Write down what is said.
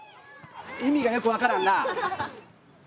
意味がよく分からんな。